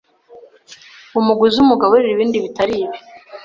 umuguzi umugaburire ibindi bitari ibi